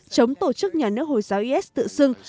chống tổ chức nhà nước hồi giáo is tự xưng